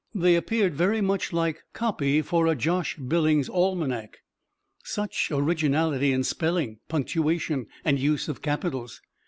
They appeared very much like copy for a Josh Billings Almanac. Such originality in spelling, punctuation and use of capitals!